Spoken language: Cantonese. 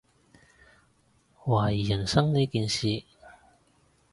懷疑人生呢件事